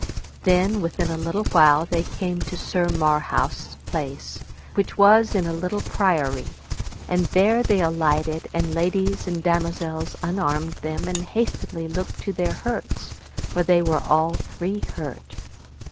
Then within a little while they came to Sir Marhaus' place, which was in a little priory, and there they alighted, and ladies and damosels unarmed them, and hastily looked to their hurts, for they were all three hurt.